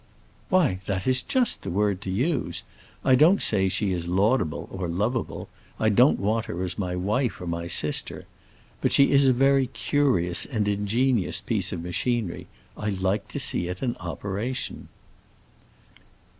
'" "Why, that is just the word to use. I don't say she is laudable or lovable. I don't want her as my wife or my sister. But she is a very curious and ingenious piece of machinery; I like to see it in operation."